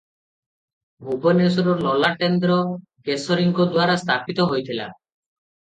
ଭୁବନେଶ୍ୱର ଲଲାଟେନ୍ଦ୍ରକେଶରୀଙ୍କଦ୍ୱାରା ସ୍ଥାପିତ ହୋଇଥିଲା ।